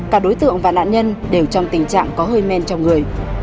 cả đối tượng và nạn nhân đều trong tình trạng có hơi men trong người